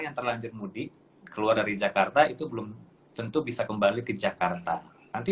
yang terlanjur mudik keluar dari jakarta itu belum tentu bisa kembali ke jakarta nanti